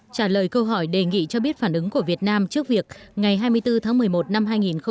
trả lời câu hỏi đề nghị cho biết phản ứng của việt nam trước việc ngày hai mươi bốn tháng một mươi một năm hai nghìn hai mươi